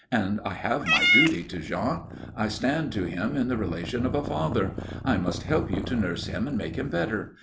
And I have my duty to Jean. I stand to him in the relation of a father. I must help you to nurse him and make him better.